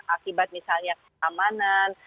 akibat misalnya kesamanan